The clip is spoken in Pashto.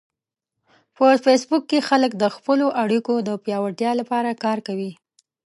په فېسبوک کې خلک د خپلو اړیکو د پیاوړتیا لپاره کار کوي